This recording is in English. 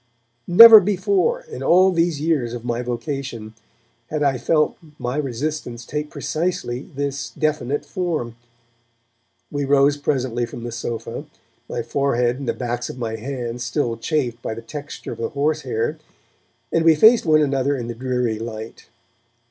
Never before, in all these years of my vocation, had I felt my resistance take precisely this definite form. We rose presently from the sofa, my forehead and the backs of my hands still chafed by the texture of the horsehair, and we faced one another in the dreary light.